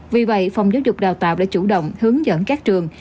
vì vậy phòng giáo dục đào tạo đã chủ động hướng dẫn các trường